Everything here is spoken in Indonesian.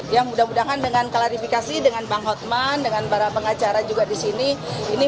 ya mudah mudahan dengan klarifikasi dengan bang hotman dengan para pengacara juga di sini